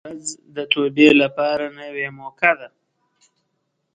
هره ورځ د توبې لپاره نوې موقع ده.